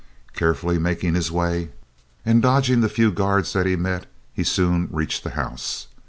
Carefully making his way, and dodging the few guards that he met, he soon reached the house.